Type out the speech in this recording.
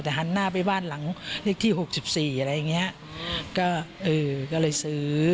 แต่หันหน้าไปบ้านหลังเลขที่๖๔อะไรอย่างนี้ก็เลยซื้อ